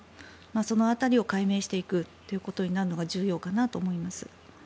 その辺りを解明していくということになるのが重要かなと思います。